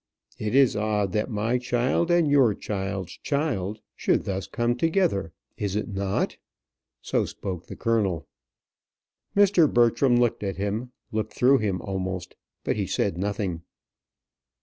It is odd that my child and your child's child should thus come together, is it not?" so spoke the colonel. Mr. Bertram looked at him; looked through him almost, but he said nothing.